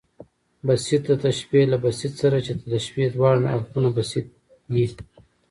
بسیط تشبیه له بسیط سره، چي د تشبیه د واړه اړخونه بسیط يي.